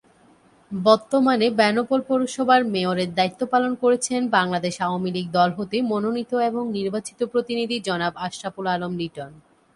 বর্তমানে বেনাপোল পৌরসভার মেয়রের দায়িত্ব পালন করছেন বাংলাদেশ আওয়ামীলীগ দল হতে মনোনীত এবং নির্বাচিত প্রতিনিধি জনাব আশরাফুল আলম লিটন।